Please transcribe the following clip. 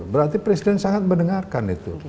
berarti presiden sangat mendengarkan itu